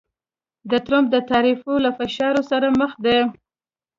د ټرمپ د تعرفو له فشار سره مخ دی